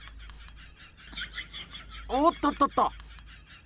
おっとっとっと。